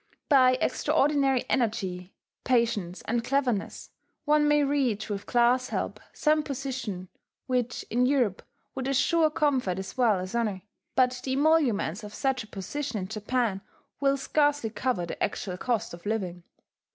By extraordinary energy, patience, and cleverness, one may reach, with class help, some position which in Europe would assure comfort as well as honour; but the emoluments of such a position in Japan will scarcely cover the actual cost of living.